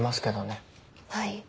はい。